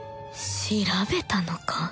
調べたのか？